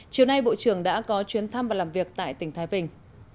chiều nay bộ trưởng đã có chuyến thăm và làm việc tại tỉnh thái bình